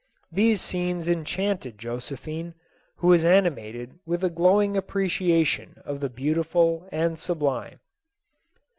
These scenes enchanted Josephine, who was animated with a glowing appreciation of the beautiful and sub lime.